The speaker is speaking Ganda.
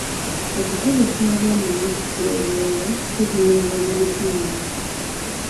Okukozesa abaana n'okutyoboolwa kivumirirwa mu bitundu.